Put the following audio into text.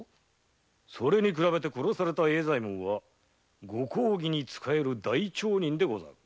それに比べて殺された栄左衛門はご公儀に仕える大町人でござる。